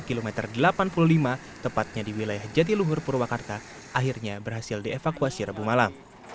kilometer delapan puluh lima tepatnya di wilayah jatiluhur purwakarta akhirnya berhasil dievakuasi rabu malam